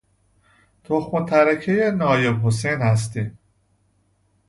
تخم و ترکهی نایب حسین هستیم.